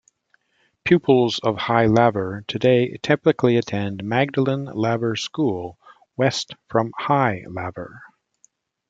Pupils of High Laver today typically attend Magdalen Laver school, west from High Laver.